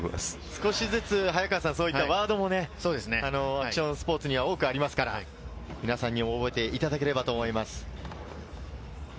少しずつ、そういったワードもスポーツには多くありますから、皆さんにも覚えていただければと思います。